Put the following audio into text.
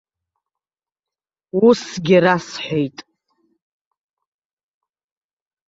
Усгьы расҳәеит.